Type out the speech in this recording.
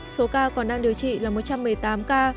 số ca còn đang điều trị là một trăm một mươi tám ca